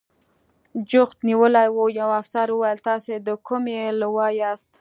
جوخت نیولي و، یوه افسر وویل: تاسې د کومې لوا یاست؟